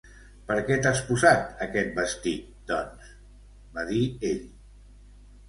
"Per què t'has posat aquest vestit, doncs?" va dir ell.